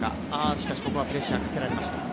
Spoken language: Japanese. しかしここはプレッシャーかけられました。